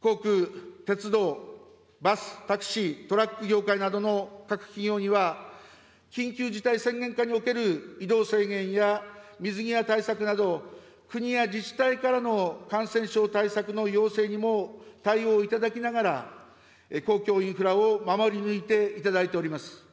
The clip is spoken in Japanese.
航空、鉄道、バス、タクシー、トラック業界などの各企業には、緊急事態宣言下における移動制限や水際対策など、国や自治体からの感染症対策の要請にも対応いただきながら、公共インフラを守り抜いていただいております。